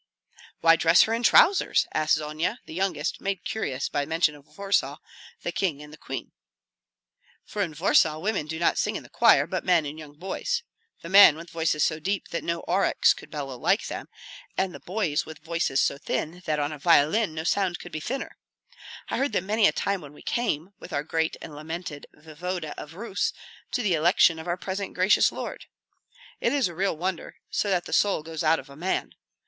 "Why dress her in trousers?" asked Zonia, the youngest, made curious by mention of Warsaw, the king, and the queen. "For in Warsaw women do not sing in the choir, but men and young boys, the men with voices so deep that no aurochs could bellow like them, and the boys with voices so thin that on a violin no sound could be thinner. I heard them many a time when we came, with our great and lamented voevoda of Rus, to the election of our present gracious lord. It is a real wonder, so that the soul goes out of a man.